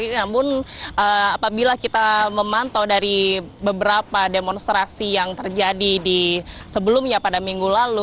namun apabila kita memantau dari beberapa demonstrasi yang terjadi di sebelumnya pada minggu lalu